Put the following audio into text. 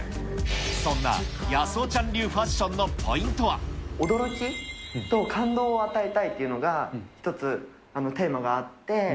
そんなやすおちゃん流ファッショ驚きと感動を与えたいというのが、１つ、テーマがあって。